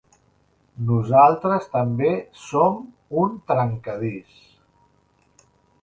Nosaltres també som un trencadís.